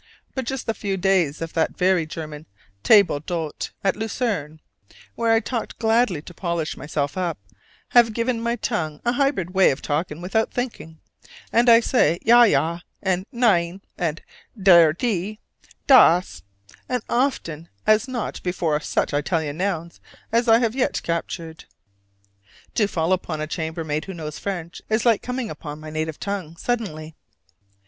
But just the few days of that very German table d'hôte at Lucerne, where I talked gladly to polish myself up, have given my tongue a hybrid way of talking without thinking: and I say "ja, ja," and "nein," and "der, die, das," as often as not before such Italian nouns as I have yet captured. To fall upon a chambermaid who knows French is like coming upon my native tongue suddenly.